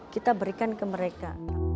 kita berikan ke mereka